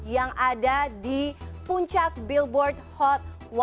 yang ada di puncak billboard hot